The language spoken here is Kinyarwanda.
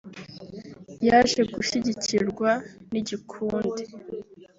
yaje gushyikirwa n’igikundi